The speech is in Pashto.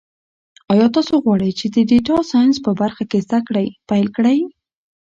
ایا تاسو غواړئ چې د ډیټا ساینس په برخه کې زده کړې پیل کړئ؟